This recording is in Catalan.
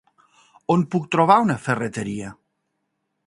On puc trobar una ferreteria?